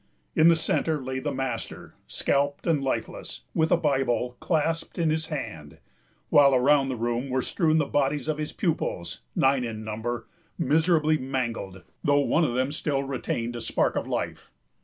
In the centre lay the master, scalped and lifeless, with a Bible clasped in his hand; while around the room were strewn the bodies of his pupils, nine in number, miserably mangled, though one of them still retained a spark of life.